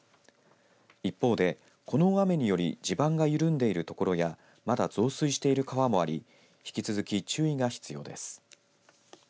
一方でこの大雨により地盤が緩んでいるところやまだ、増水している川もあり引き続き注意が必要です。